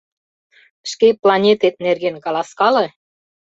Шке планетет нерген каласкале!